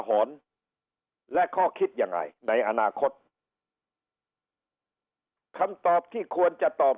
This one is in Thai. หอนและข้อคิดยังไงในอนาคตคำตอบที่ควรจะตอบ